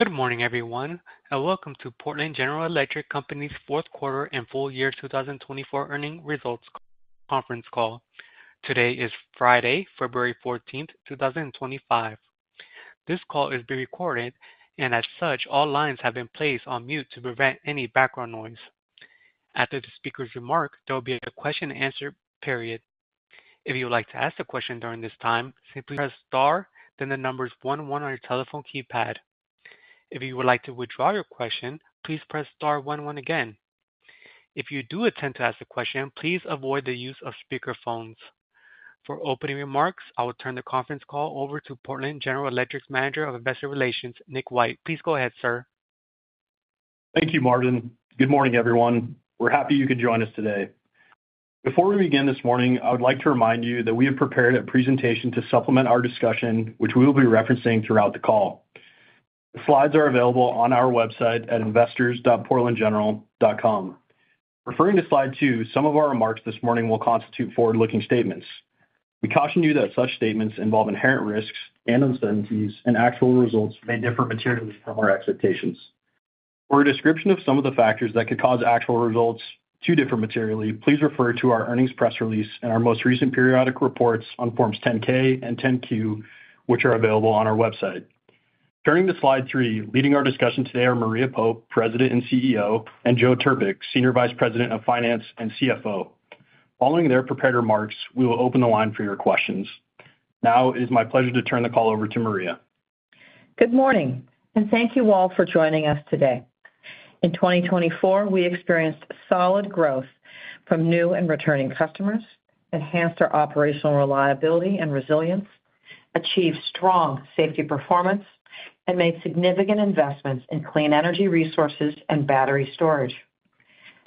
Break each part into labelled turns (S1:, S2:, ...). S1: Good morning, everyone, and welcome to Portland General Electric Company's Fourth Quarter and Full Year 2024 Earnings Results Conference call. Today is Friday, February 14th, 2025. This call is being recorded, and as such, all lines have been placed on mute to prevent any background noise. After the speaker's remark, there will be a question-and-answer period. If you would like to ask a question during this time, simply press star, then the numbers 11 on your telephone keypad. If you would like to withdraw your question, please press star 11 again. If you do intend to ask a question, please avoid the use of speakerphones. For opening remarks, I will turn the conference call over to Portland General Electric's Manager of Investor Relations, Nick White. Please go ahead, sir.
S2: Thank you, Martin. Good morning, everyone. We're happy you could join us today. Before we begin this morning, I would like to remind you that we have prepared a presentation to supplement our discussion, which we will be referencing throughout the call. The slides are available on our website at investors.portlandgeneral.com. Referring to slide two, some of our remarks this morning will constitute forward-looking statements. We caution you that such statements involve inherent risks and uncertainties, and actual results may differ materially from our expectations. For a description of some of the factors that could cause actual results to differ materially, please refer to our earnings press release and our most recent periodic reports on Forms 10-K and 10-Q, which are available on our website. Turning to slide three, leading our discussion today are Maria Pope, President and CEO, and Joe Trpik, Senior Vice President of Finance and CFO. Following their prepared remarks, we will open the line for your questions. Now, it is my pleasure to turn the call over to Maria.
S3: Good morning, and thank you all for joining us today. In 2024, we experienced solid growth from new and returning customers, enhanced our operational reliability and resilience, achieved strong safety performance, and made significant investments in clean energy resources and battery storage.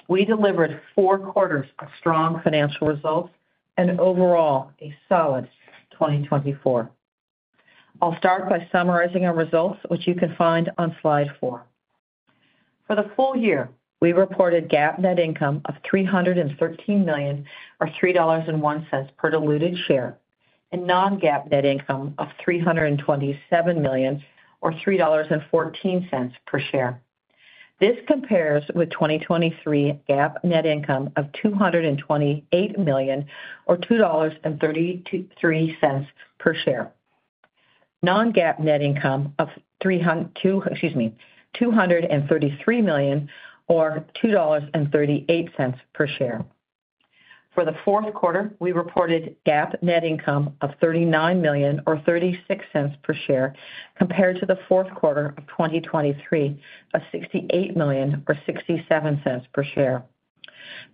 S3: We delivered four quarters of strong financial results and overall a solid 2024. I'll start by summarizing our results, which you can find on slide four. For the full year, we reported GAAP net income of $313 million, or $3.01 per diluted share, and non-GAAP net income of $327 million, or $3.14 per share. This compares with 2023 GAAP net income of $228 million, or $2.33 per share. Non-GAAP net income of $233 million, or $2.38 per share. For the fourth quarter, we reported GAAP net income of $39 million, or $0.36 per share, compared to the fourth quarter of 2023 of $68 million, or $0.67 per share.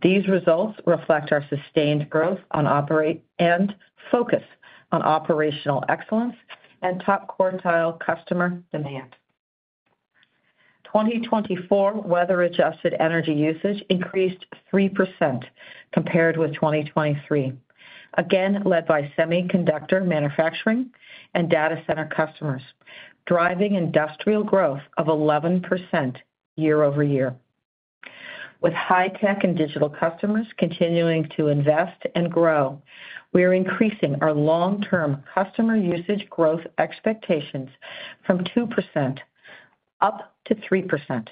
S3: These results reflect our sustained growth and focus on operational excellence and top quartile customer demand. 2024 weather-adjusted energy usage increased 3% compared with 2023, again led by semiconductor manufacturing and data center customers, driving industrial growth of 11% year over year. With high-tech and digital customers continuing to invest and grow, we are increasing our long-term customer usage growth expectations from 2% up to 3%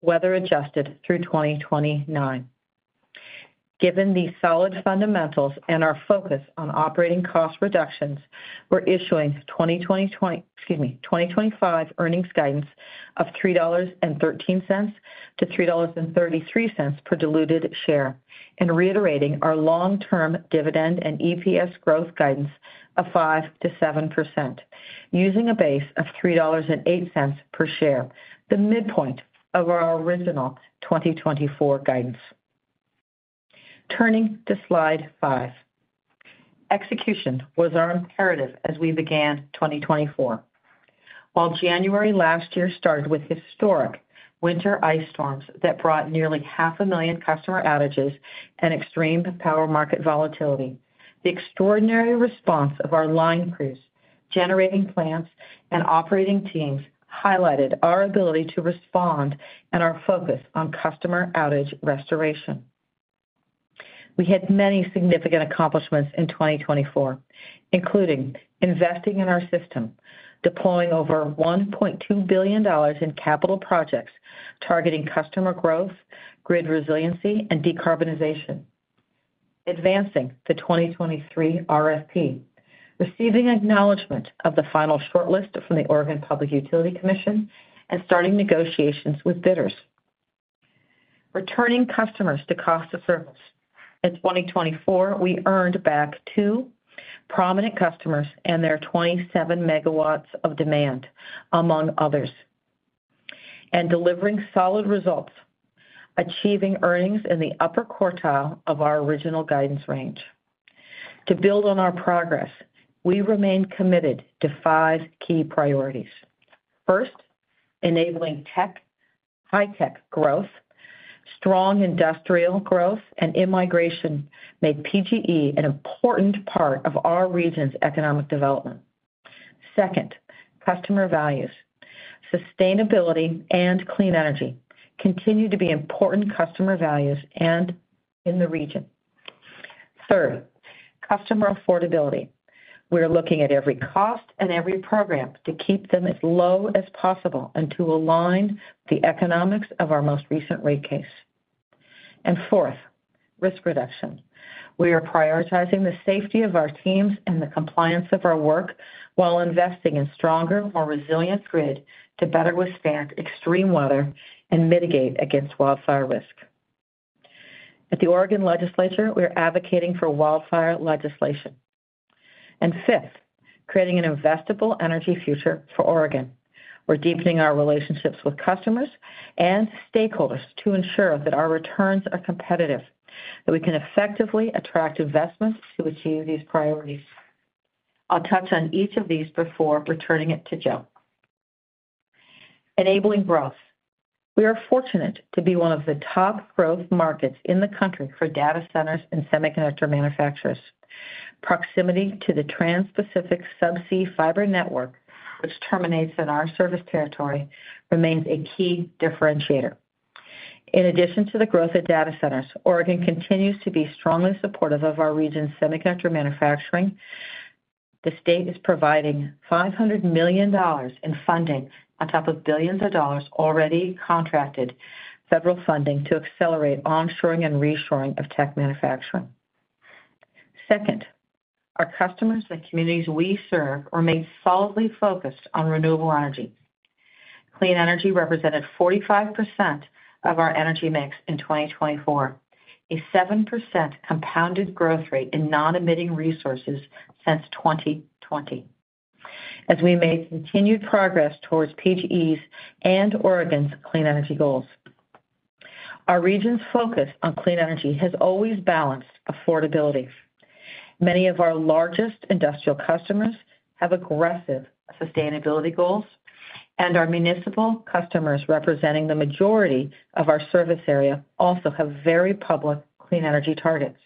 S3: weather-adjusted through 2029. Given the solid fundamentals and our focus on operating cost reductions, we're issuing 2025 earnings guidance of $3.13 to $3.33 per diluted share and reiterating our long-term dividend and EPS growth guidance of 5% to 7%, using a base of $3.08 per share, the midpoint of our original 2024 guidance. Turning to slide five, execution was our imperative as we began 2024. While January last year started with historic winter ice storms that brought nearly 500,000 customer outages and extreme power market volatility, the extraordinary response of our line crews, generating plants, and operating teams highlighted our ability to respond and our focus on customer outage restoration. We had many significant accomplishments in 2024, including investing in our system, deploying over $1.2 billion in capital projects targeting customer growth, grid resiliency, and decarbonization, advancing the 2023 RFP, receiving acknowledgment of the final shortlist from the Oregon Public Utility Commission, and starting negotiations with bidders. Returning customers to cost of service. In 2024, we earned back two prominent customers and their 27 megawatts of demand, among others, and delivering solid results, achieving earnings in the upper quartile of our original guidance range. To build on our progress, we remain committed to five key priorities. First, enabling high-tech growth. Strong industrial growth and immigration made PGE an important part of our region's economic development. Second, customer values. Sustainability and clean energy continue to be important customer values in the region. Third, customer affordability. We are looking at every cost and every program to keep them as low as possible and to align the economics of our most recent rate case. And fourth, risk reduction. We are prioritizing the safety of our teams and the compliance of our work while investing in stronger, more resilient grid to better withstand extreme weather and mitigate against wildfire risk. At the Oregon Legislature, we are advocating for wildfire legislation. And fifth, creating an investable energy future for Oregon. We're deepening our relationships with customers and stakeholders to ensure that our returns are competitive, that we can effectively attract investments to achieve these priorities. I'll touch on each of these before returning it to Joe. Enabling growth. We are fortunate to be one of the top growth markets in the country for data centers and semiconductor manufacturers. Proximity to the Trans-Pacific Subsea Fiber Network, which terminates in our service territory, remains a key differentiator. In addition to the growth of data centers, Oregon continues to be strongly supportive of our region's semiconductor manufacturing. The state is providing $500 million in funding on top of billions of dollars already contracted federal funding to accelerate onshoring and reshoring of tech manufacturing. Second, our customers and communities we serve remain solidly focused on renewable energy. Clean energy represented 45% of our energy mix in 2024, a 7% compounded growth rate in non-emitting resources since 2020, as we made continued progress towards PGE's and Oregon's clean energy goals. Our region's focus on clean energy has always balanced affordability. Many of our largest industrial customers have aggressive sustainability goals, and our municipal customers representing the majority of our service area also have very public clean energy targets.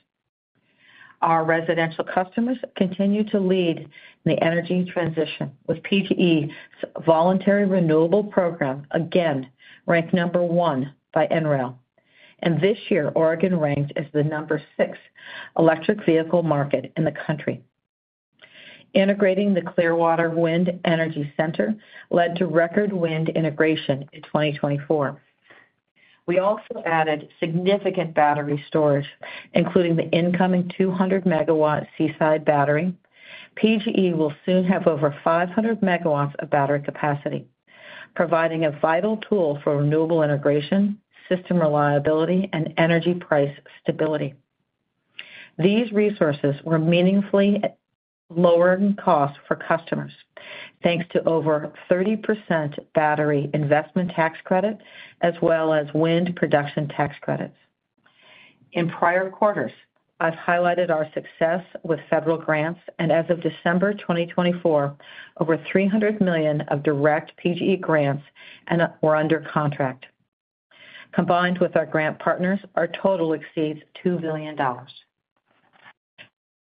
S3: Our residential customers continue to lead the energy transition with PGE's voluntary renewable program, again ranked number one by NREL, and this year, Oregon ranked as the number six electric vehicle market in the country. Integrating the Clearwater Wind Energy Center led to record wind integration in 2024. We also added significant battery storage, including the incoming 200-megawatt Seaside Battery. PGE will soon have over 500 megawatts of battery capacity, providing a vital tool for renewable integration, system reliability, and energy price stability. These resources were meaningfully lower in cost for customers, thanks to over 30% battery Investment Tax Credit, as well as wind Production Tax Credits. In prior quarters, I've highlighted our success with federal grants, and as of December 2024, over $300 million of direct PGE grants were under contract. Combined with our grant partners, our total exceeds $2 billion.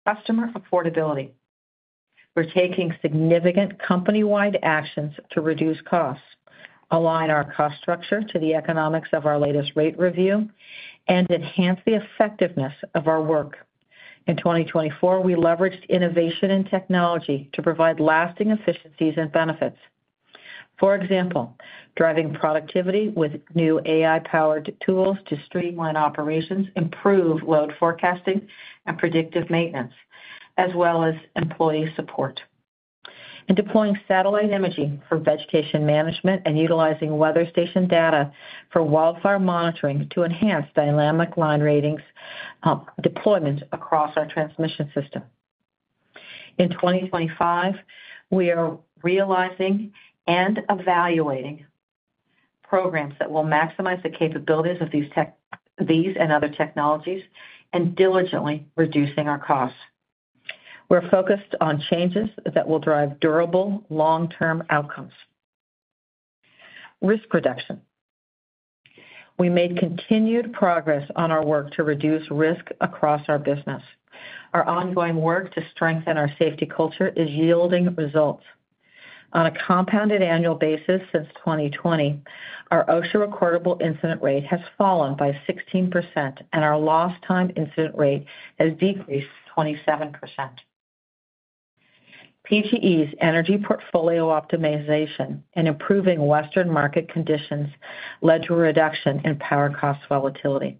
S3: Customer affordability. We're taking significant company-wide actions to reduce costs, align our cost structure to the economics of our latest rate review, and enhance the effectiveness of our work. In 2024, we leveraged innovation and technology to provide lasting efficiencies and benefits. For example, driving productivity with new AI-powered tools to streamline operations, improve load forecasting, and predictive maintenance, as well as employee support, and deploying satellite imaging for vegetation management and utilizing weather station data for wildfire monitoring to enhance dynamic line ratings deployment across our transmission system. In 2025, we are realizing and evaluating programs that will maximize the capabilities of these and other technologies and diligently reducing our costs. We're focused on changes that will drive durable long-term outcomes. Risk reduction. We made continued progress on our work to reduce risk across our business. Our ongoing work to strengthen our safety culture is yielding results. On a compounded annual basis since 2020, our OSHA recordable incident rate has fallen by 16%, and our lost-time incident rate has decreased 27%. PGE's energy portfolio optimization and improving Western market conditions led to a reduction in power cost volatility.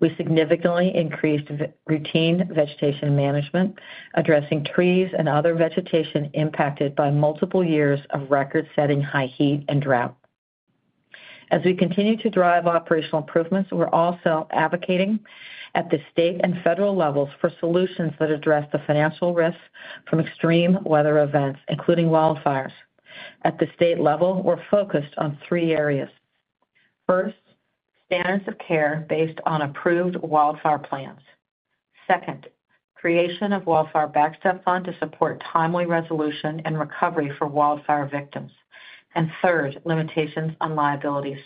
S3: We significantly increased routine vegetation management, addressing trees and other vegetation impacted by multiple years of record-setting high heat and drought. As we continue to drive operational improvements, we're also advocating at the state and federal levels for solutions that address the financial risks from extreme weather events, including wildfires. At the state level, we're focused on three areas. First, standards of care based on approved wildfire plans. Second, creation of wildfire backstop fund to support timely resolution and recovery for wildfire victims, and third, limitations on liabilities.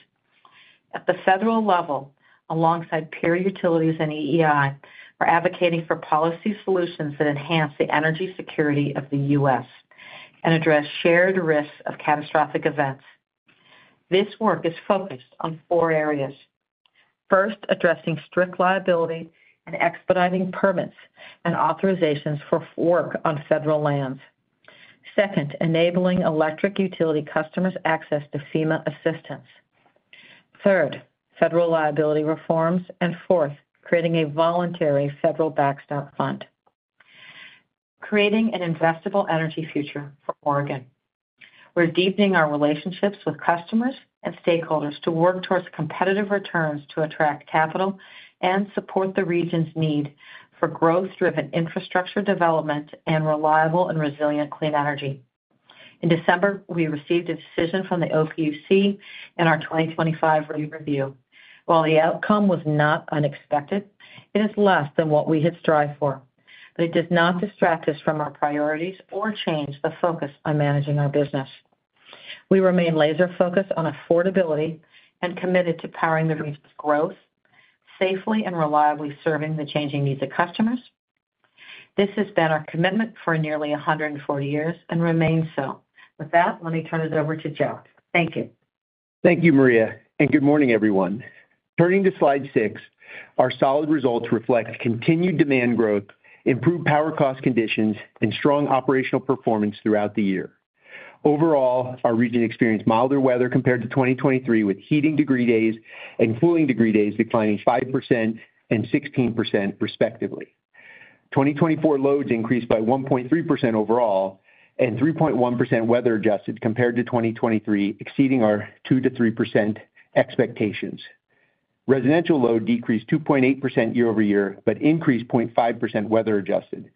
S3: At the federal level, alongside peer utilities and EEI, we're advocating for policy solutions that enhance the energy security of the U.S. and address shared risks of catastrophic events. This work is focused on four areas. First, addressing strict liability and expediting permits and authorizations for work on federal lands. Second, enabling electric utility customers' access to FEMA assistance. Third, federal liability reforms, and fourth, creating a voluntary federal backstop fund. Creating an investable energy future for Oregon. We're deepening our relationships with customers and stakeholders to work towards competitive returns to attract capital and support the region's need for growth-driven infrastructure development and reliable and resilient clean energy. In December, we received a decision from the OPUC in our 2025 rate review. While the outcome was not unexpected, it is less than what we had strived for, but it does not distract us from our priorities or change the focus on managing our business. We remain laser-focused on affordability and committed to powering the region's growth, safely and reliably serving the changing needs of customers. This has been our commitment for nearly 140 years and remains so. With that, let me turn it over to Joe. Thank you.
S4: Thank you, Maria. Good morning, everyone. Turning to slide six, our solid results reflect continued demand growth, improved power cost conditions, and strong operational performance throughout the year. Overall, our region experienced milder weather compared to 2023, with heating degree days and cooling degree days declining 5% and 16%, respectively. 2024 loads increased by 1.3% overall and 3.1% weather-adjusted compared to 2023, exceeding our 2% to 3% expectations. Residential load decreased 2.8% year over year, but increased 0.5% weather-adjusted.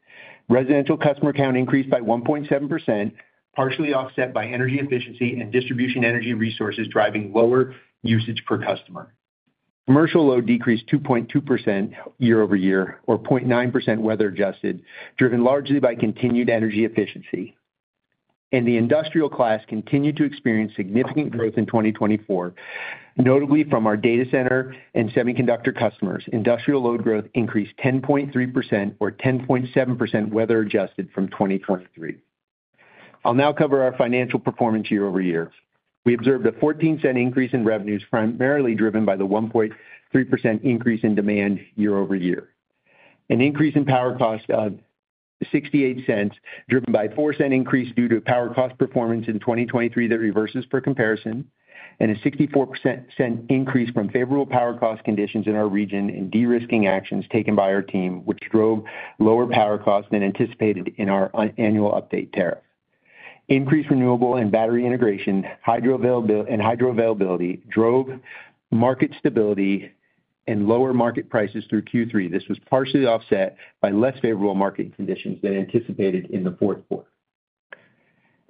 S4: Residential customer count increased by 1.7%, partially offset by energy efficiency and distribution energy resources driving lower usage per customer. Commercial load decreased 2.2% year over year, or 0.9% weather-adjusted, driven largely by continued energy efficiency. And the industrial class continued to experience significant growth in 2024, notably from our data center and semiconductor customers. Industrial load growth increased 10.3%, or 10.7% weather-adjusted from 2023. I'll now cover our financial performance year over year. We observed a $0.14 increase in revenues, primarily driven by the 1.3% increase in demand year over year. An increase in power cost of $0.68, driven by a $0.04 increase due to power cost performance in 2023 that reverses for comparison, and a 64% increase from favorable power cost conditions in our region and derisking actions taken by our team, which drove lower power costs than anticipated in our annual update tariff. Increased renewable and battery integration and hydroavailability drove market stability and lower market prices through Q3. This was partially offset by less favorable market conditions than anticipated in the fourth quarter.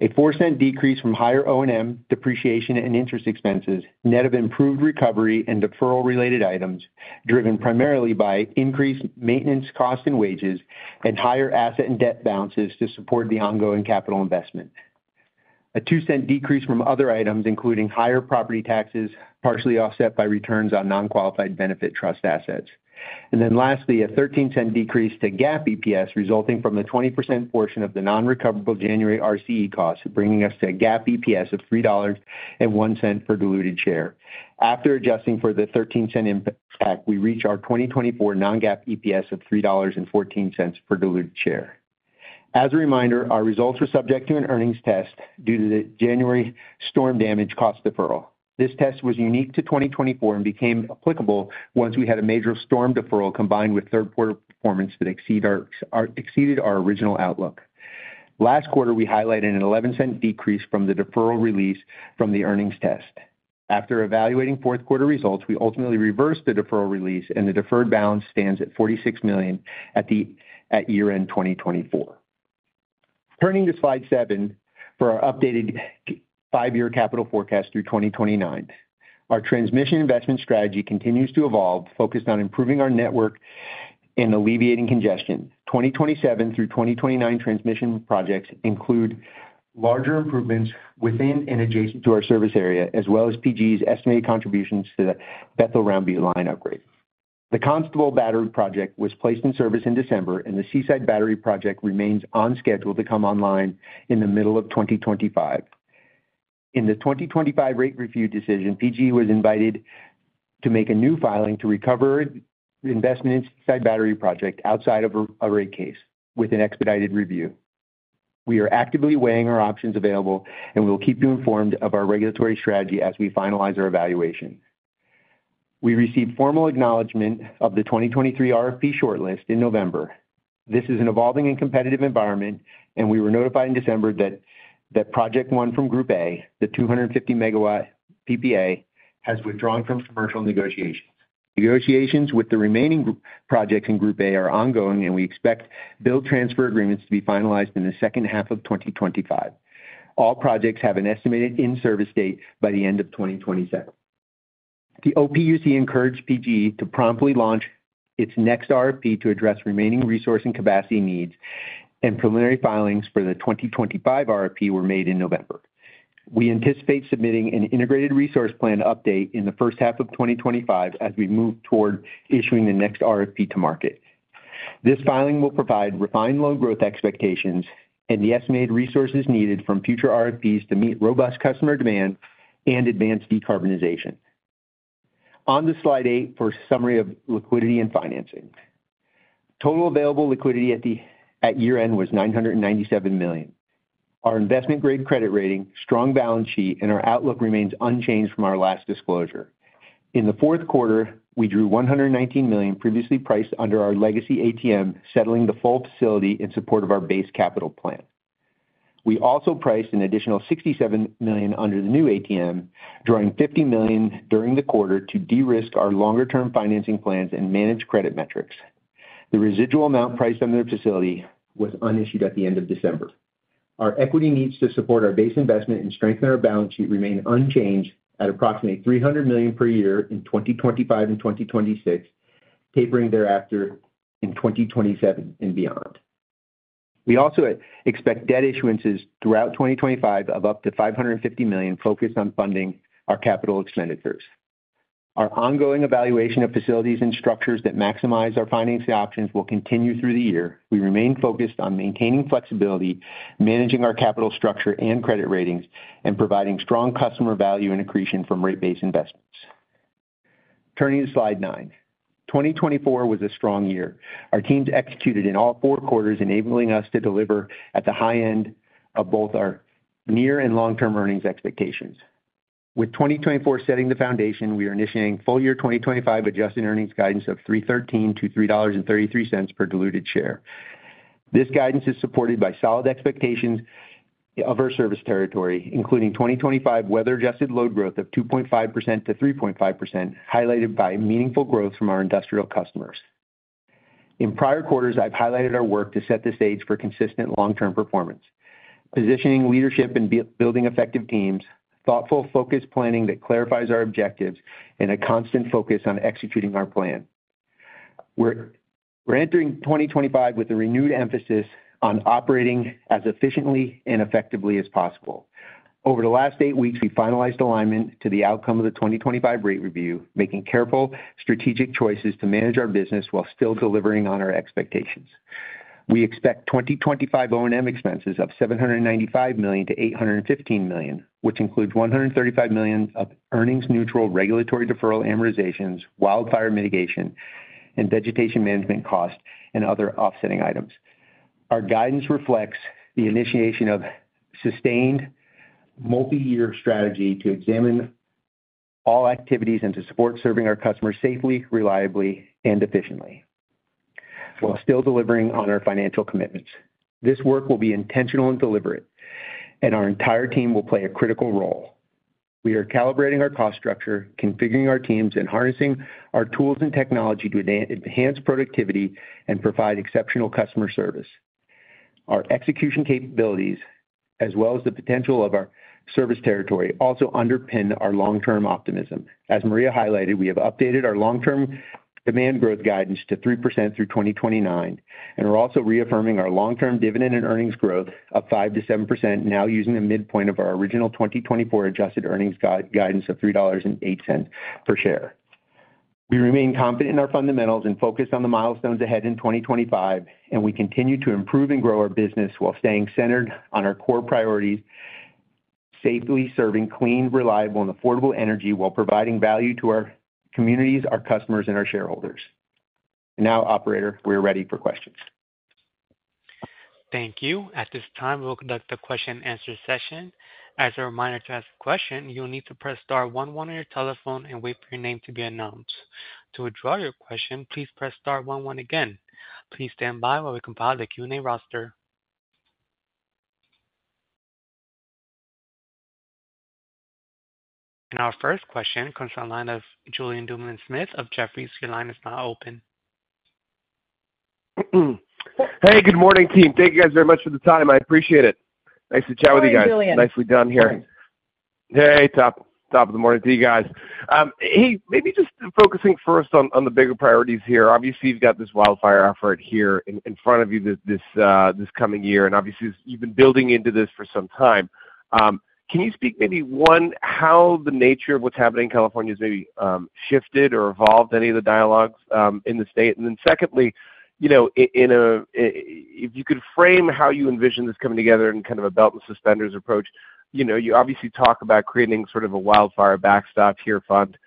S4: A $0.04 decrease from higher O&M depreciation and interest expenses, net of improved recovery and deferral-related items, driven primarily by increased maintenance costs and wages, and higher asset and debt balances to support the ongoing capital investment. A $0.02 decrease from other items, including higher property taxes, partially offset by returns on non-qualified benefit trust assets. Then lastly, a $0.13 decrease to GAAP EPS, resulting from the 20% portion of the non-recoverable January RCE costs, bringing us to a GAAP EPS of $3.01 per diluted share. After adjusting for the $0.13 impact, we reach our 2024 non-GAAP EPS of $3.14 per diluted share. As a reminder, our results were subject to an earnings test due to the January storm damage cost deferral. This test was unique to 2024 and became applicable once we had a major storm deferral combined with third-quarter performance that exceeded our original outlook. Last quarter, we highlighted an $0.11 decrease from the deferral release from the earnings test. After evaluating fourth-quarter results, we ultimately reversed the deferral release, and the deferred balance stands at $46 million at year-end 2024. Turning to slide seven for our updated five-year capital forecast through 2029. Our transmission investment strategy continues to evolve, focused on improving our network and alleviating congestion. 2027 through 2029 transmission projects include larger improvements within and adjacent to our service area, as well as PGE's estimated contributions to the Bethel-Round Butte line upgrade. The Constable Battery Project was placed in service in December, and the Seaside Battery Project remains on schedule to come online in the middle of 2025. In the 2025 rate review decision, PGE was invited to make a new filing to recover the investment in Seaside Battery Project outside of a rate case with an expedited review. We are actively weighing our options available, and we'll keep you informed of our regulatory strategy as we finalize our evaluation. We received formal acknowledgment of the 2023 RFP shortlist in November. This is an evolving and competitive environment, and we were notified in December that Project One from Group A, the 250-megawatt PPA, has withdrawn from commercial negotiations. Negotiations with the remaining projects in Group A are ongoing, and we expect build transfer agreements to be finalized in the second half of 2025. All projects have an estimated in-service date by the end of 2027. The OPUC encouraged PGE to promptly launch its next RFP to address remaining resource and capacity needs, and preliminary filings for the 2025 RFP were made in November. We anticipate submitting an Integrated Resource Plan update in the first half of 2025 as we move toward issuing the next RFP to market. This filing will provide refined load growth expectations and the estimated resources needed from future RFPs to meet robust customer demand and advance decarbonization. On to slide eight for a summary of liquidity and financing. Total available liquidity at year-end was $997 million. Our investment-grade credit rating, strong balance sheet, and our outlook remains unchanged from our last disclosure. In the fourth quarter, we drew $119 million, previously priced under our legacy ATM, settling the full facility in support of our base capital plan. We also priced an additional $67 million under the new ATM, drawing $50 million during the quarter to de-risk our longer-term financing plans and manage credit metrics. The residual amount priced under the facility was unissued at the end of December. Our equity needs to support our base investment and strengthen our balance sheet remain unchanged at approximately $300 million per year in 2025 and 2026, tapering thereafter in 2027 and beyond. We also expect debt issuances throughout 2025 of up to $550 million, focused on funding our capital expenditures. Our ongoing evaluation of facilities and structures that maximize our financing options will continue through the year. We remain focused on maintaining flexibility, managing our capital structure and credit ratings, and providing strong customer value and accretion from rate base investments. Turning to slide nine, 2024 was a strong year. Our teams executed in all four quarters, enabling us to deliver at the high end of both our near and long-term earnings expectations. With 2024 setting the foundation, we are initiating full year 2025 adjusted earnings guidance of $3.13 to $3.33 per diluted share. This guidance is supported by solid expectations of our service territory, including 2025 weather-adjusted load growth of 2.5% to 3.5%, highlighted by meaningful growth from our industrial customers. In prior quarters, I've highlighted our work to set the stage for consistent long-term performance, positioning leadership and building effective teams, thoughtful focus planning that clarifies our objectives, and a constant focus on executing our plan. We're entering 2025 with a renewed emphasis on operating as efficiently and effectively as possible. Over the last eight weeks, we finalized alignment to the outcome of the 2025 rate review, making careful strategic choices to manage our business while still delivering on our expectations. We expect 2025 O&M expenses of $795 million-$815 million, which includes $135 million of earnings-neutral regulatory deferral amortizations, wildfire mitigation, and vegetation management costs, and other offsetting items. Our guidance reflects the initiation of a sustained multi-year strategy to examine all activities and to support serving our customers safely, reliably, and efficiently while still delivering on our financial commitments. This work will be intentional and deliberate, and our entire team will play a critical role. We are calibrating our cost structure, configuring our teams, and harnessing our tools and technology to enhance productivity and provide exceptional customer service. Our execution capabilities, as well as the potential of our service territory, also underpin our long-term optimism. As Maria highlighted, we have updated our long-term demand growth guidance to 3% through 2029, and we're also reaffirming our long-term dividend and earnings growth of 5%-7%, now using the midpoint of our original 2024 adjusted earnings guidance of $3.08 per share. We remain confident in our fundamentals and focused on the milestones ahead in 2025, and we continue to improve and grow our business while staying centered on our core priorities, safely serving clean, reliable, and affordable energy while providing value to our communities, our customers, and our shareholders. And now, Operator, we're ready for questions.
S1: Thank you. At this time, we'll conduct the question-and-answer session. As a reminder to ask a question, you'll need to press star 11 on your telephone and wait for your name to be announced. To withdraw your question, please press star 11 again. Please stand by while we compile the Q&A roster. And our first question comes from the line of Julien Dumoulin-Smith of Jefferies. Your line is now open.
S5: Hey, good morning, team. Thank you guys very much for the time. I appreciate it. Nice to chat with you guys. Thank you, Julien. Nicely done here. Hey, top of the morning to you guys. Hey, maybe just focusing first on the bigger priorities here. Obviously, you've got this wildfire effort here in front of you this coming year, and obviously, you've been building into this for some time. Can you speak maybe on how the nature of what's happening in California has maybe shifted or evolved any of the dialogues in the state? And then secondly, if you could frame how you envision this coming together in kind of a belt and suspenders approach, you obviously talk about creating sort of a wildfire backstop here fund.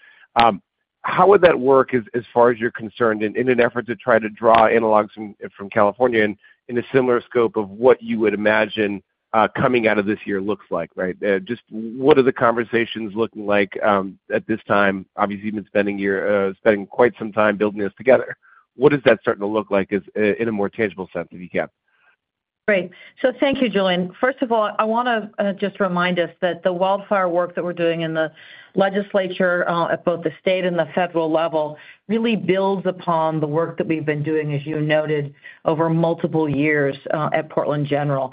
S5: How would that work as far as you're concerned in an effort to try to draw analogs from California in a similar scope of what you would imagine coming out of this year looks like, right? Just what are the conversations looking like at this time? Obviously, you've been spending quite some time building this together. What is that starting to look like in a more tangible sense, if you can?
S3: Right. So thank you, Julien. First of all, I want to just remind us that the wildfire work that we're doing in the legislature at both the state and the federal level really builds upon the work that we've been doing, as you noted, over multiple years at Portland General.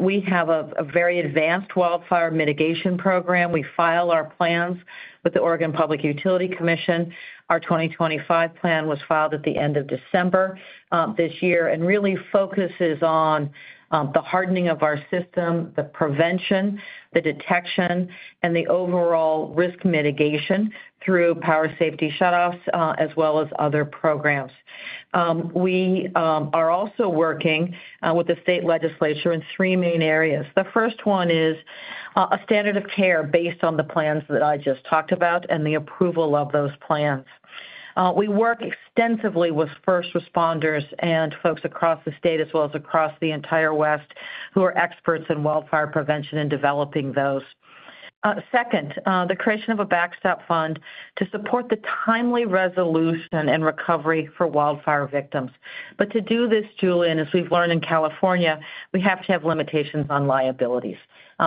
S3: We have a very advanced wildfire mitigation program. We file our plans with the Oregon Public Utility Commission. Our 2025 plan was filed at the end of December this year and really focuses on the hardening of our system, the prevention, the detection, and the overall risk mitigation through power safety shutoffs, as well as other programs. We are also working with the state legislature in three main areas. The first one is a standard of care based on the plans that I just talked about and the approval of those plans. We work extensively with first responders and folks across the state, as well as across the entire west, who are experts in wildfire prevention and developing those. Second, the creation of a backstop fund to support the timely resolution and recovery for wildfire victims. But to do this, Julien, as we've learned in California, we have to have limitations on liabilities.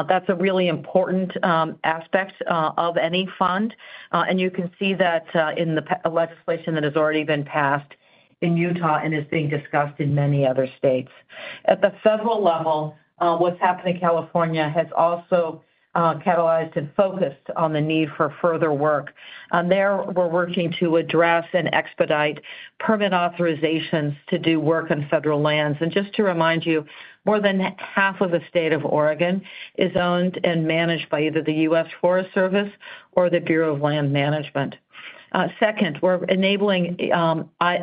S3: That's a really important aspect of any fund, and you can see that in the legislation that has already been passed in Utah and is being discussed in many other states. At the federal level, what's happened in California has also catalyzed and focused on the need for further work. There we're working to address and expedite permit authorizations to do work on federal lands. And just to remind you, more than half of the state of Oregon is owned and managed by either the U.S. Forest Service or the Bureau of Land Management. Second, we're enabling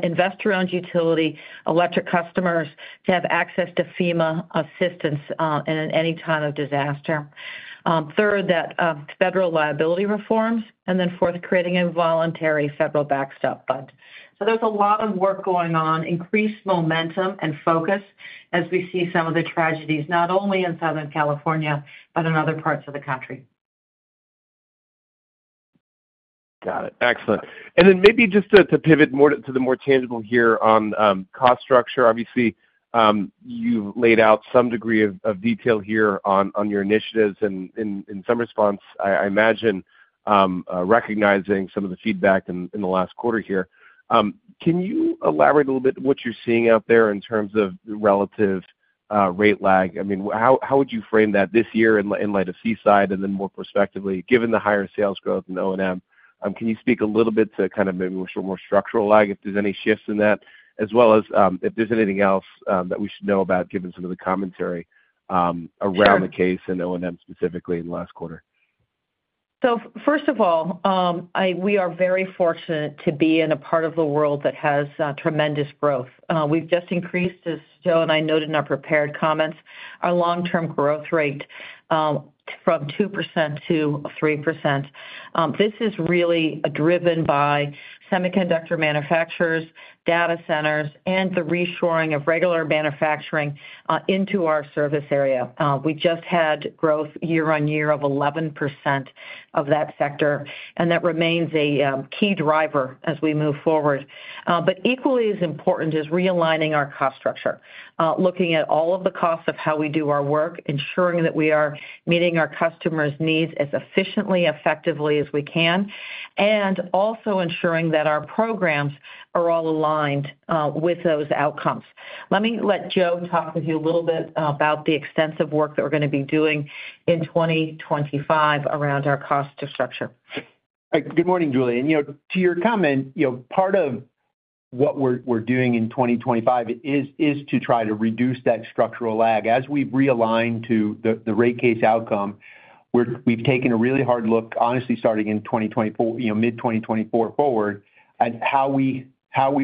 S3: investor-owned utility electric customers to have access to FEMA assistance in any time of disaster. Third, that federal liability reforms. And then fourth, creating a voluntary federal backstop fund. So there's a lot of work going on, increased momentum and focus as we see some of the tragedies, not only in Southern California, but in other parts of the country.
S5: Got it. Excellent. And then maybe just to pivot more to the more tangible here on cost structure. Obviously, you've laid out some degree of detail here on your initiatives and in some response, I imagine, recognizing some of the feedback in the last quarter here. Can you elaborate a little bit what you're seeing out there in terms of relative rate lag? I mean, how would you frame that this year in light of Seaside and then more prospectively, given the higher sales growth in O&M? Can you speak a little bit to kind of maybe a more structural lag, if there's any shifts in that, as well as if there's anything else that we should know about given some of the commentary around the case and O&M specifically in the last quarter?
S3: First of all, we are very fortunate to be in a part of the world that has tremendous growth. We've just increased, as Joe and I noted in our prepared comments, our long-term growth rate from 2% to 3%. This is really driven by semiconductor manufacturers, data centers, and the reshoring of regular manufacturing into our service area. We just had growth year on year of 11% of that sector, and that remains a key driver as we move forward. But equally as important is realigning our cost structure, looking at all of the costs of how we do our work, ensuring that we are meeting our customers' needs as efficiently, effectively as we can, and also ensuring that our programs are all aligned with those outcomes. Let me let Joe talk with you a little bit about the extensive work that we're going to be doing in 2025 around our cost structure.
S4: Good morning, Julien. To your comment, part of what we're doing in 2025 is to try to reduce that structural lag. As we've realigned to the rate case outcome, we've taken a really hard look, honestly, starting in mid-2024 forward, at how we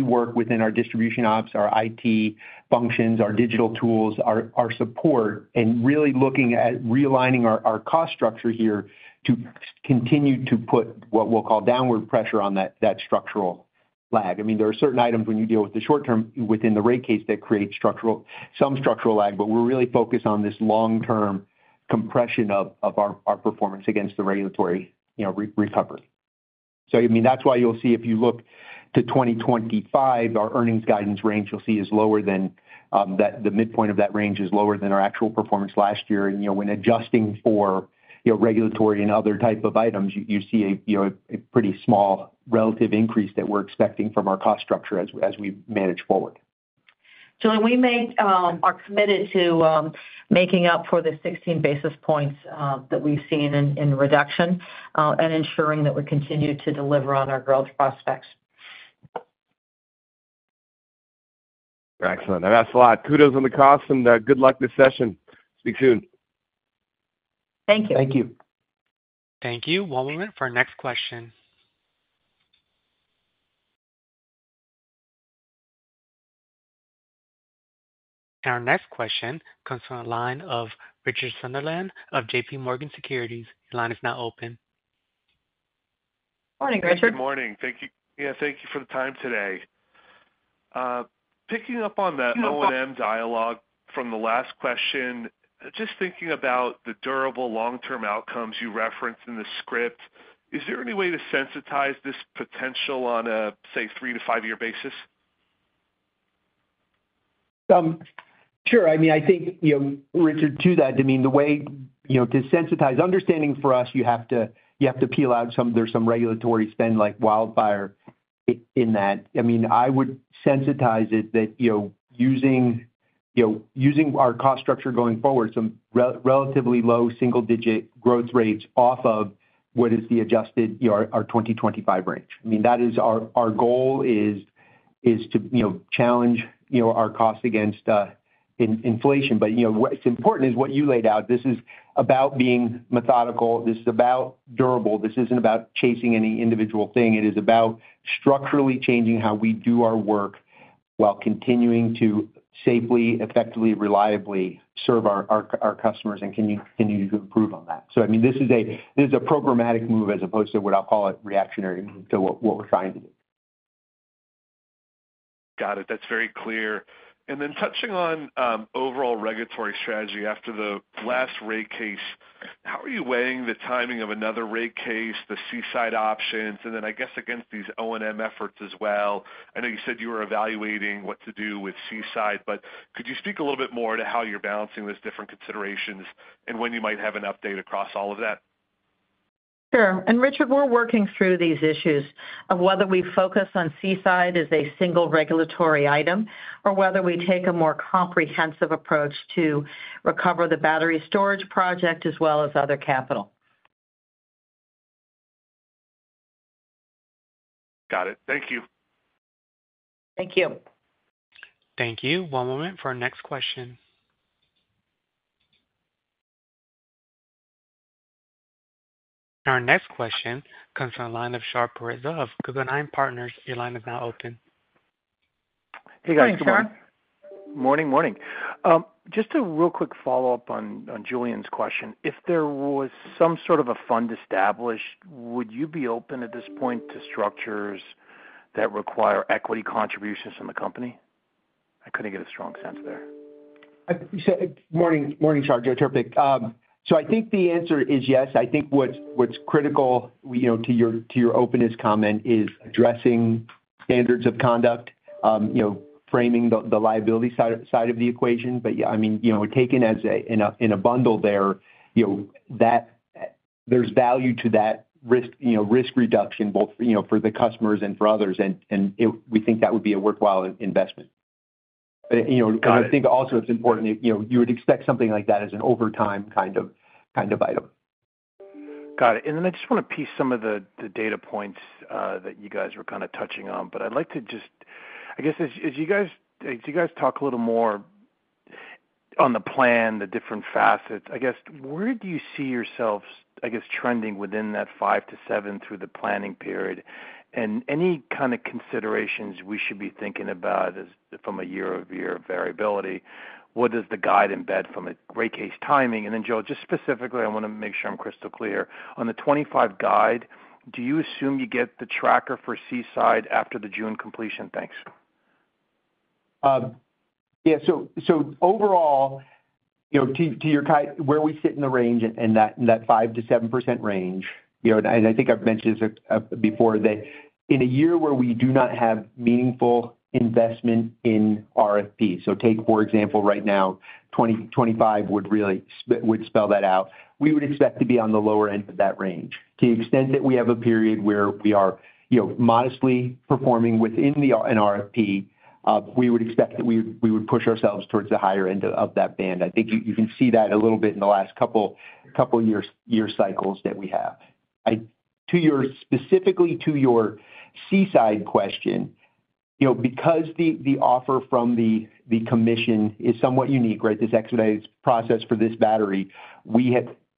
S4: work within our distribution ops, our IT functions, our digital tools, our support, and really looking at realigning our cost structure here to continue to put what we'll call downward pressure on that structural lag. I mean, there are certain items when you deal with the short term within the rate case that create some structural lag, but we're really focused on this long-term compression of our performance against the regulatory recovery. So I mean, that's why you'll see if you look to 2025, our earnings guidance range you'll see is lower than the midpoint of that range is lower than our actual performance last year. When adjusting for regulatory and other type of items, you see a pretty small relative increase that we're expecting from our cost structure as we manage forward.
S3: Julien, we are committed to making up for the 16 basis points that we've seen in reduction and ensuring that we continue to deliver on our growth prospects.
S5: Excellent. That's a lot. Kudos on the cost and good luck this session. Speak soon.
S3: Thank you.
S4: Thank you.
S1: Thank you. One moment for our next question. Our next question comes from the line of Richard Sunderland of J.P. Morgan Securities. Your line is now open.
S6: Morning, Richard. Good morning. Thank you for the time today. Picking up on the O&M dialogue from the last question, just thinking about the durable long-term outcomes you referenced in the script, is there any way to sensitize this potential on a, say, three to five-year basis?
S4: Sure. I mean, I think, Richard, to that, I mean, the way to sensitize understanding for us, you have to pull out there's some regulatory spend like wildfire in that. I mean, I would sensitize it that using our cost structure going forward, some relatively low single-digit growth rates off of what is the adjusted our 2025 range. I mean, that is our goal is to challenge our cost against inflation. But what's important is what you laid out. This is about being methodical. This is about durable. This isn't about chasing any individual thing. It is about structurally changing how we do our work while continuing to safely, effectively, reliably serve our customers and continue to improve on that. So I mean, this is a programmatic move as opposed to what I'll call a reactionary move to what we're trying to do.
S6: Got it. That's very clear. And then touching on overall regulatory strategy after the last rate case, how are you weighing the timing of another rate case, the Seaside options, and then I guess against these O&M efforts as well? I know you said you were evaluating what to do with Seaside, but could you speak a little bit more to how you're balancing those different considerations and when you might have an update across all of that?
S3: Sure. And Richard, we're working through these issues of whether we focus on Seaside as a single regulatory item or whether we take a more comprehensive approach to recover the battery storage project as well as other capital.
S6: Got it. Thank you.
S3: Thank you.
S1: Thank you. One moment for our next question. And our next question comes from the line of Shar Pourreza of Guggenheim Partners. Your line is now open.
S7: Hey, guys. Morning. Morning. Morning. Just a real quick follow-up on Julien's question. If there was some sort of a fund established, would you be open at this point to structures that require equity contributions from the company? I couldn't get a strong sense there.
S4: So I think the answer is yes. I think what's critical to your openness comment is addressing standards of conduct, framing the liability side of the equation. But I mean, taken in a bundle there, there's value to that risk reduction both for the customers and for others, and we think that would be a worthwhile investment. But I think also it's important that you would expect something like that as an over time kind of item.
S7: Got it. And then I just want to piece some of the data points that you guys were kind of touching on. But I'd like to just, I guess, as you guys talk a little more on the plan, the different facets, I guess, where do you see yourselves, I guess, trending within that five to seven through the planning period? And any kind of considerations we should be thinking about from a year-over-year variability? What does the guide embed from a rate case timing? And then, Joe, just specifically, I want to make sure I'm crystal clear. On the 2025 guide, do you assume you get the tracker for Seaside after the June completion?
S4: Thanks. Yeah. So overall, to your question, where we sit in the range in that 5%-7% range, and I think I've mentioned this before, that in a year where we do not have meaningful investment in RFP, so take, for example, right now, 2025 would spell that out, we would expect to be on the lower end of that range. To the extent that we have a period where we are modestly performing within an RFP, we would expect that we would push ourselves towards the higher end of that band. I think you can see that a little bit in the last couple of year cycles that we have. Specifically to your Seaside question, because the offer from the Commission is somewhat unique, right, this expedited process for this battery,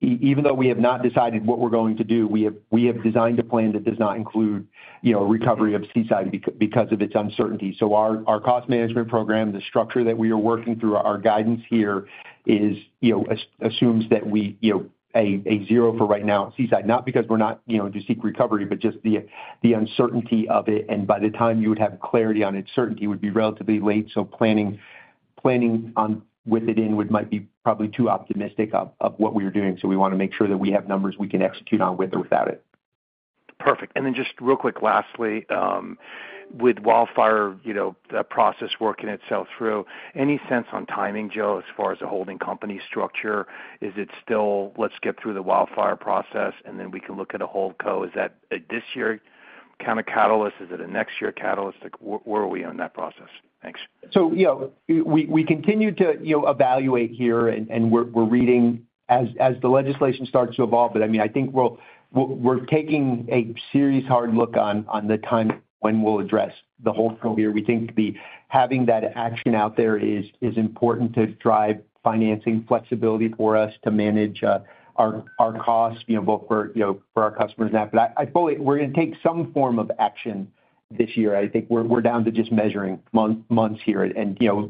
S4: even though we have not decided what we're going to do, we have designed a plan that does not include recovery of Seaside because of its uncertainty. So our cost management program, the structure that we are working through, our guidance here assumes that we have a zero for right now at Seaside, not because we're not to seek recovery, but just the uncertainty of it. And by the time you would have clarity on it, certainty would be relatively late. So planning with it in would might be probably too optimistic of what we are doing. So we want to make sure that we have numbers we can execute on with or without it.
S7: Perfect. And then just real quick, lastly, with wildfire process working itself through, any sense on timing, Joe, as far as a holding company structure? Is it still, "Let's get through the wildfire process, and then we can look at a HoldCo
S4: So we continue to evaluate here, and we're reading as the legislation starts to evolve. But I mean, I think we're taking a serious hard look on the time when we'll address the HoldCo here. We think having that action out there is important to drive financing flexibility for us to manage our costs both for our customers and that. But I believe we're going to take some form of action this year. I think we're down to just measuring months here.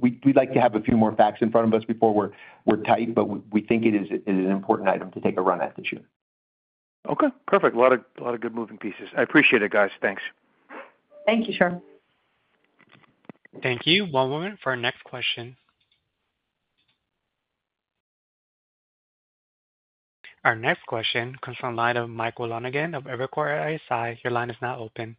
S4: We'd like to have a few more facts in front of us before we're tight, but we think it is an important item to take a run at this year.
S7: Okay. Perfect. A lot of good moving pieces. I appreciate it, guys. Thanks.
S3: Thank you, sir.
S1: Thank you. One moment for our next question. Our next question comes from the line of Michael Lonegan of Evercore ISI. Your line is now open.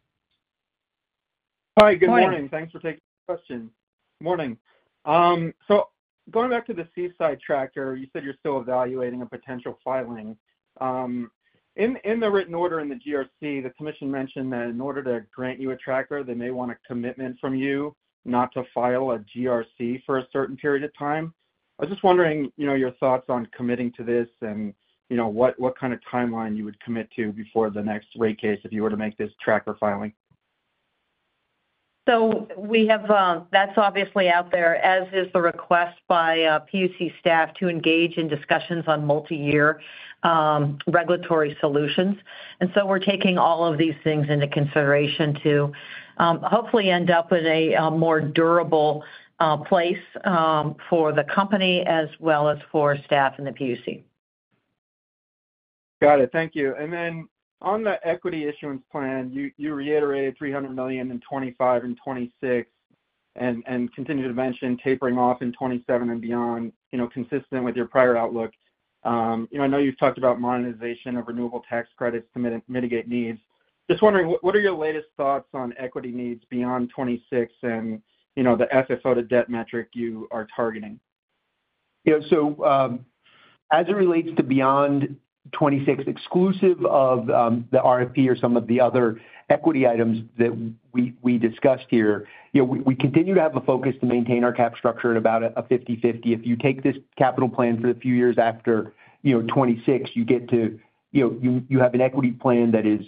S8: Hi. Good morning. Thanks for taking the question. Morning. So going back to the Seaside tracker, you said you're still evaluating a potential filing. In the written order in the GRC, the Commission mentioned that in order to grant you a tracker, they may want a commitment from you not to file a GRC for a certain period of time. I was just wondering your thoughts on committing to this and what kind of timeline you would commit to before the next rate case if you were to make this tracker filing.
S3: So that's obviously out there, as is the request by PUC staff to engage in discussions on multi-year regulatory solutions. And so we're taking all of these things into consideration to hopefully end up in a more durable place for the company as well as for staff and the PUC.
S8: Got it. Thank you. And then on the equity issuance plan, you reiterated $300 million in 2025 and 2026 and continued to mention tapering off in 2027 and beyond, consistent with your prior outlook. I know you've talked about monetization of renewable tax credits to mitigate needs. Just wondering, what are your latest thoughts on equity needs beyond 2026 and the FFO to debt metric you are targeting?
S4: So as it relates to beyond 2026, exclusive of the RFP or some of the other equity items that we discussed here, we continue to have a focus to maintain our capital structure at about a 50/50. If you take this capital plan for the few years after 2026, you get to have an equity plan that is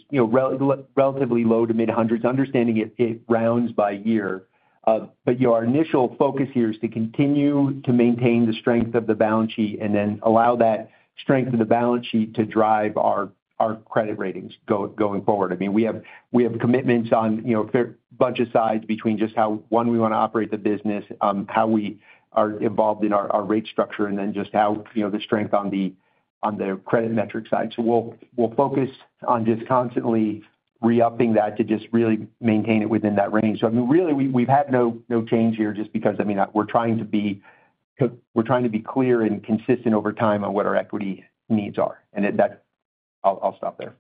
S4: relatively low to mid-hundreds, understanding it rounds by year. But our initial focus here is to continue to maintain the strength of the balance sheet and then allow that strength of the balance sheet to drive our credit ratings going forward. I mean, we have commitments on a bunch of sides between just how, one, we want to operate the business, how we are involved in our rate structure, and then just how the strength on the credit metric side. We'll focus on just constantly re-upping that to just really maintain it within that range. So I mean, really, we've had no change here just because, I mean, we're trying to be clear and consistent over time on what our equity needs are. And I'll stop there.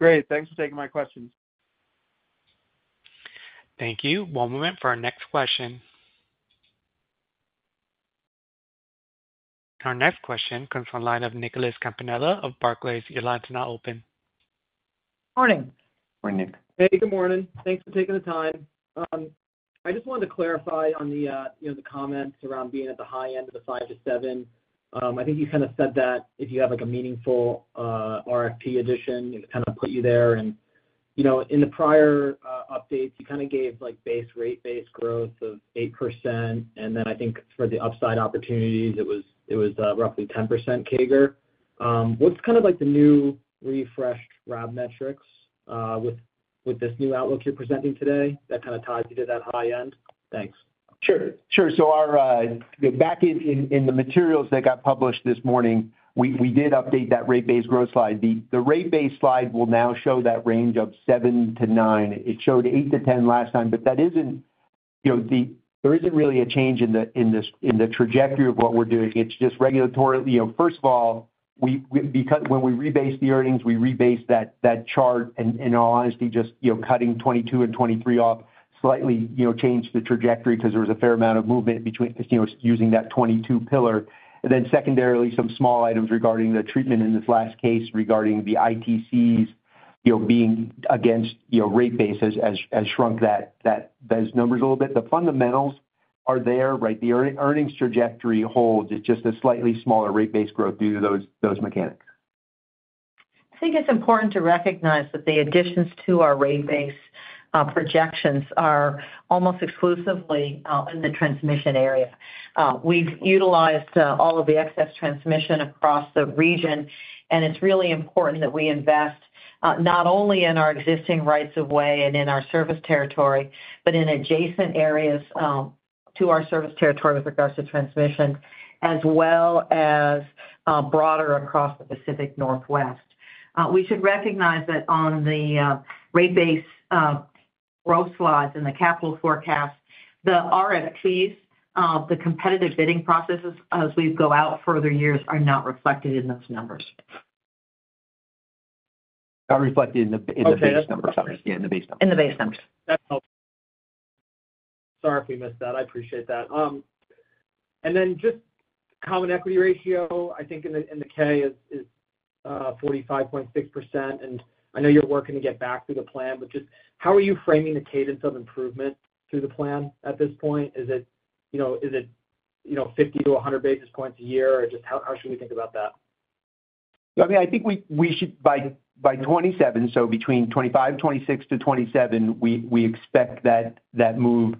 S8: Great. Thanks for taking my questions.
S1: Thank you. One moment for our next question. Our next question comes from the line of Nicholas Campanella of Barclays. Your line is now open.
S3: Morning.
S4: Morning, Nick.
S9: Hey, good morning. Thanks for taking the time. I just wanted to clarify on the comments around being at the high end of the 5-7%. I think you kind of said that if you have a meaningful RFP addition, it kind of put you there. And in the prior updates, you kind of gave base rate base growth of 8%. And then I think for the upside opportunities, it was roughly 10% CAGR. What's kind of the new refreshed RAB metrics with this new outlook you're presenting today that kind of ties you to that high end? Thanks.
S4: Sure. Sure. So back in the materials that got published this morning, we did update that rate base growth slide. The rate base slide will now show that range of seven to nine. It showed eight to ten last time, but there isn't really a change in the trajectory of what we're doing. It's just regulatory. First of all, when we rebase the earnings, we rebase that chart. And in all honesty, just cutting 2022 and 2023 off slightly changed the trajectory because there was a fair amount of movement using that 2022 pillar. And then, secondarily, some small items regarding the treatment in this last case regarding the ITCs being against rate base has shrunk those numbers a little bit. The fundamentals are there, right? The earnings trajectory holds. It's just a slightly smaller rate base growth due to those mechanics.
S3: I think it's important to recognize that the additions to our rate base projections are almost exclusively in the transmission area. We've utilized all of the excess transmission across the region, and it's really important that we invest not only in our existing rights of way and in our service territory, but in adjacent areas to our service territory with regards to transmission, as well as broader across the Pacific Northwest. We should recognize that on the rate base growth slides and the capital forecast, the RFPs, the competitive bidding processes, as we go out further years, are not reflected in those numbers.
S4: Not reflected in the base numbers.
S9: Yeah,
S4: in the base numbers.
S3: In the base numbers.
S9: Sorry if we missed that. I appreciate that. And then just common equity ratio, I think in the K is 45.6%. And I know you're working to get back to the plan, but just how are you framing the cadence of improvement through the plan at this point? Is it 50-100 basis points a year, or just how should we think about that?
S4: I mean, I think we should by 2027, so between 2025, 2026 to 2027, we expect that move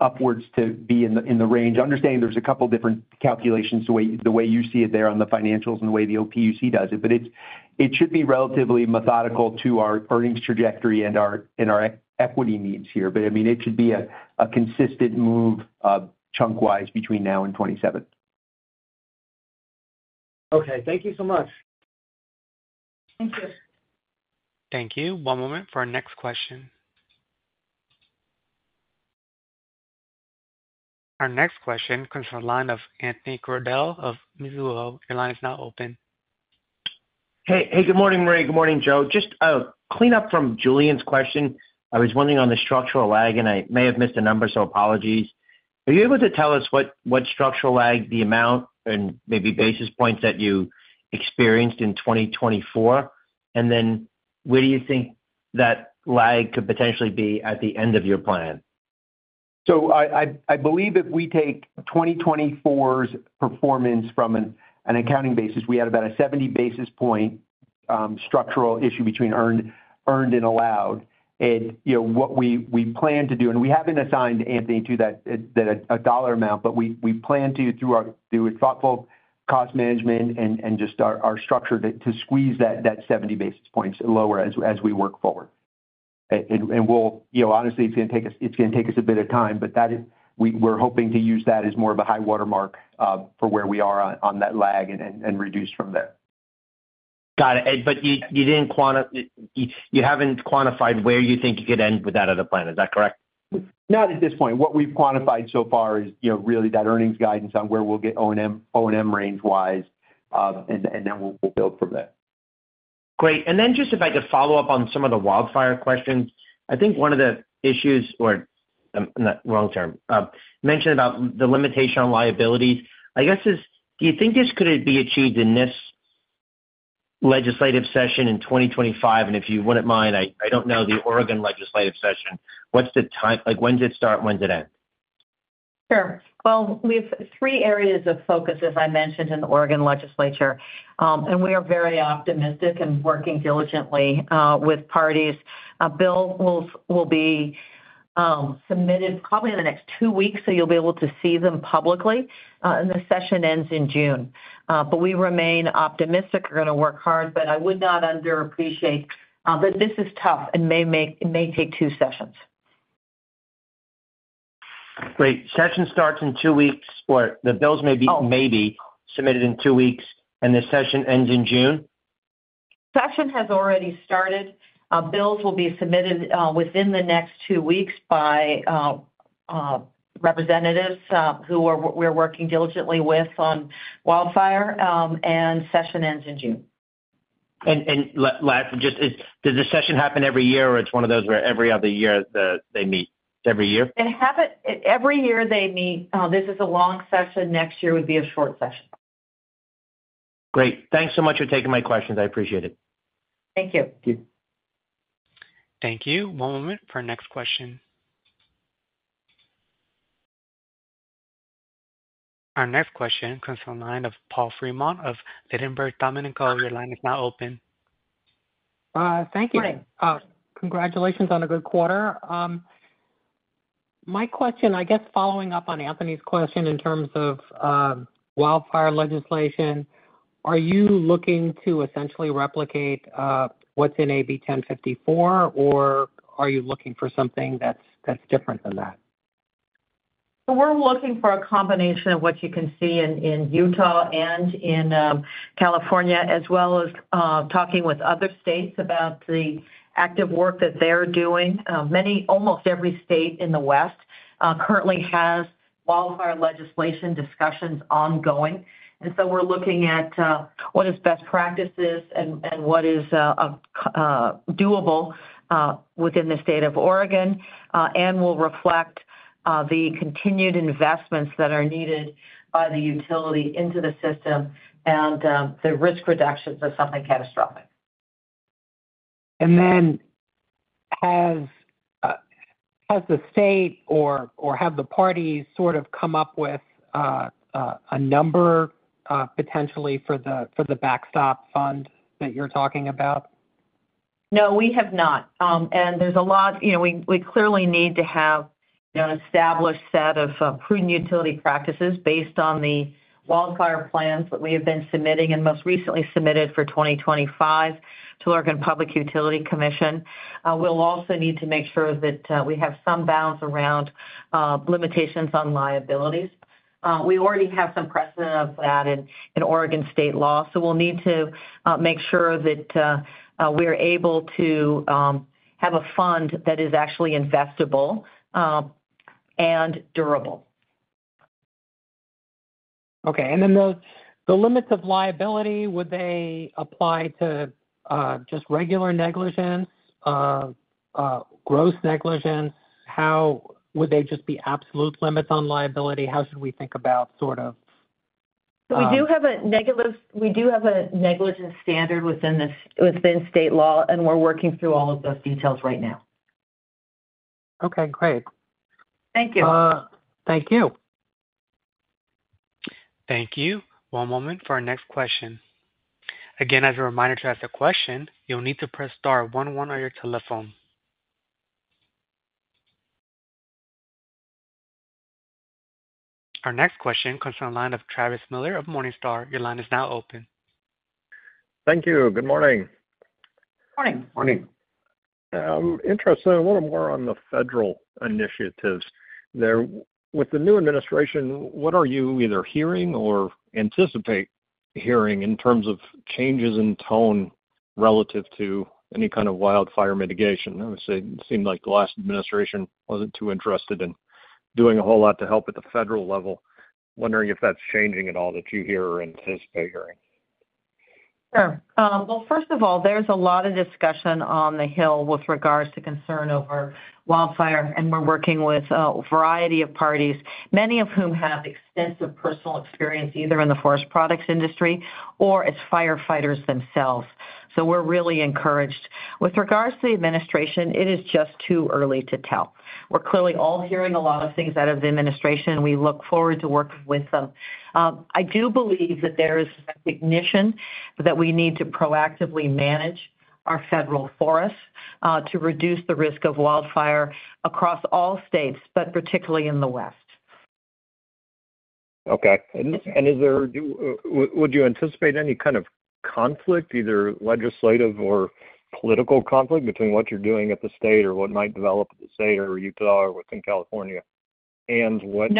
S4: upwards to be in the range. Understanding there's a couple of different calculations the way you see it there on the financials and the way the OPUC does it. But it should be relatively methodical to our earnings trajectory and our equity needs here. But I mean, it should be a consistent move chunk-wise between now and 2027.
S9: Okay. Thank you so much. Thank you.
S1: Thank you. One moment for our next question. Our next question comes from the line of Anthony Crowdell of Mizuho. Your line is now open.
S10: Hey. Hey, good morning, Maria. Good morning, Joe. Just a cleanup from Julien's question. I was wondering on the structural lag, and I may have missed a number, so apologies. Are you able to tell us what structural lag, the amount, and maybe basis points that you experienced in 2024? And then where do you think that lag could potentially be at the end of your plan?
S4: So I believe if we take 2024's performance from an accounting basis, we had about a 70 basis points structural issue between earned and allowed. And what we plan to do, and we haven't assigned a dollar amount to that, but we plan to, through thoughtful cost management and just our structure, to squeeze that 70 basis points lower as we work forward. And honestly, it's going to take us a bit of time, but we're hoping to use that as more of a high-water mark for where we are on that lag and reduce from there.
S10: Got it. But you haven't quantified where you think you could end with that out of the plan. Is that correct?
S4: Not at this point. What we've quantified so far is really that earnings guidance on where we'll get O&M range-wise, and then we'll build from there.
S10: Great. And then just if I could follow up on some of the wildfire questions, I think one of the issues, or wrong term, mentioned about the limitation on liabilities. I guess, do you think this could be achieved in this legislative session in 2025, and if you wouldn't mind, I don't know the Oregon legislative session. What's the time? When does it start? When does it end?
S3: Sure. Well, we have three areas of focus, as I mentioned, in the Oregon Legislature, and we are very optimistic and working diligently with parties. A bill will be submitted probably in the next two weeks, so you'll be able to see them publicly, and the session ends in June, but we remain optimistic and going to work hard, but I would not underestimate that this is tough and may take two sessions.
S10: Great. Session starts in two weeks, or the bills may be submitted in two weeks, and the session ends in June? Session has already started.
S3: Bills will be submitted within the next two weeks by representatives who we're working diligently with on wildfire. And session ends in June.
S10: And just does the session happen every year, or it's one of those where every other year they meet? It's every year?
S3: Every year they meet. This is a long session. Next year would be a short session.
S10: Great. Thanks so much for taking my questions. I appreciate it. Thank you.
S1: Thank you. One moment for our next question. Our next question comes from the line of Paul Fremont of Ladenburg Thalmann. Your line is now open.
S11: Thank you. Morning. Congratulations on a good quarter. My question, I guess, following up on Anthony's question in terms of wildfire legislation, are you looking to essentially replicate what's in AB 1054, or are you looking for something that's different than that?
S3: So we're looking for a combination of what you can see in Utah and in California, as well as talking with other states about the active work that they're doing. Almost every state in the West currently has wildfire legislation discussions ongoing. And so we're looking at what is best practices and what is doable within the state of Oregon, and will reflect the continued investments that are needed by the utility into the system and the risk reductions of something catastrophic.
S11: And then has the state or have the parties sort of come up with a number potentially for the backstop fund that you're talking about?
S3: No, we have not. And there's a lot we clearly need to have an established set of prudent utility practices based on the wildfire plans that we have been submitting and most recently submitted for 2025 to Oregon Public Utility Commission. We'll also need to make sure that we have some bounds around limitations on liabilities. We already have some precedent of that in Oregon state law. So we'll need to make sure that we're able to have a fund that is actually investable and durable.
S11: Okay. And then the limits of liability, would they apply to just regular negligence, gross negligence? Would they just be absolute limits on liability? How should we think about sort of?
S3: So we do have a negligence standard within state law, and we're working through all of those details right now.
S11: Okay. Great.
S3: Thank you.
S11: Thank you.
S1: Thank you. One moment for our next question. Again, as a reminder to ask a question, you'll need to press star 11 on your telephone. Our next question comes from the line of Travis Miller of Morningstar. Your line is now open. Thank you. Good morning.
S3: Morning.
S4: Morning.
S12: Interesting. A little more on the federal initiatives. With the new administration, what are you either hearing or anticipate hearing in terms of changes in tone relative to any kind of wildfire mitigation? I would say it seemed like the last administration wasn't too interested in doing a whole lot to help at the federal level. Wondering if that's changing at all that you hear or anticipate hearing.
S3: Sure. Well, first of all, there's a lot of discussion on the Hill with regards to concern over wildfire, and we're working with a variety of parties, many of whom have extensive personal experience either in the forest products industry or as firefighters themselves. So we're really encouraged. With regards to the administration, it is just too early to tell. We're clearly all hearing a lot of things out of the administration, and we look forward to working with them. I do believe that there is recognition that we need to proactively manage our federal forests to reduce the risk of wildfire across all states, but particularly in the West.
S12: Okay. And would you anticipate any kind of conflict, either legislative or political conflict, between what you're doing at the state or what might develop at the state or Utah or within California and what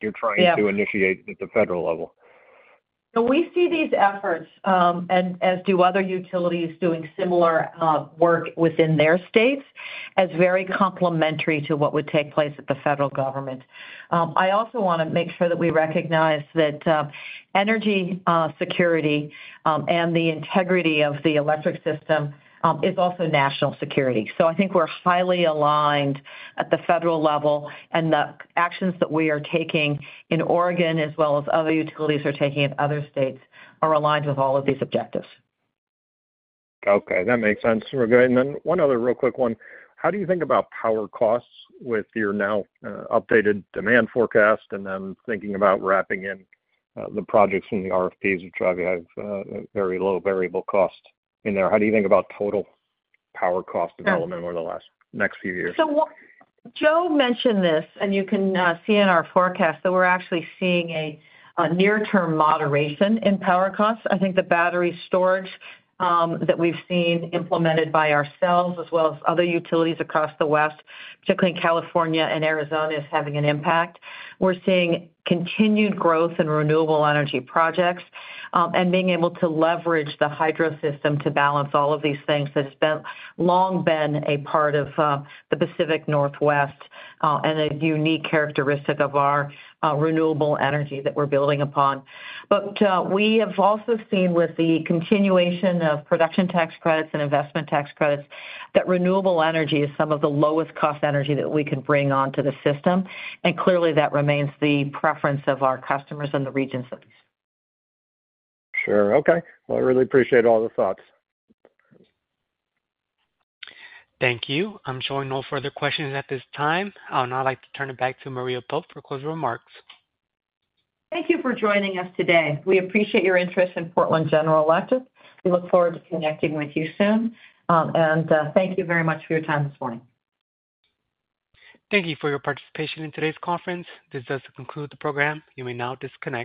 S12: you're trying to initiate at the federal level?
S3: So we see these efforts, as do other utilities doing similar work within their states, as very complementary to what would take place at the federal government. I also want to make sure that we recognize that energy security and the integrity of the electric system is also national security. So I think we're highly aligned at the federal level, and the actions that we are taking in Oregon, as well as other utilities are taking in other states, are aligned with all of these objectives.
S12: Okay. That makes sense. We're good. And then one other real quick one. How do you think about power costs with your now updated demand forecast and then thinking about wrapping in the projects from the RFPs, which obviously have very low variable costs in there? How do you think about total power cost development over the next few years?
S3: So Joe mentioned this, and you can see in our forecast that we're actually seeing a near-term moderation in power costs. I think the battery storage that we've seen implemented by ourselves, as well as other utilities across the West, particularly in California and Arizona, is having an impact. We're seeing continued growth in renewable energy projects and being able to leverage the hydro system to balance all of these things that have long been a part of the Pacific Northwest and a unique characteristic of our renewable energy that we're building upon. But we have also seen, with the continuation of production tax credits and investment tax credits, that renewable energy is some of the lowest-cost energy that we can bring onto the system. And clearly, that remains the preference of our customers and the regions of these.
S12: Sure. Okay. Well, I really appreciate all the thoughts.
S1: Thank you. I'm showing no further questions at this time. I'll now like to turn it back to Maria Pope for closing remarks.
S3: Thank you for joining us today. We appreciate your interest in Portland General Electric. We look forward to connecting with you soon. Thank you very much for your time this morning.
S1: Thank you for your participation in today's conference. This does conclude the program. You may now disconnect.